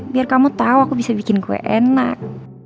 biar kamu tau aku bisa bikin kue enak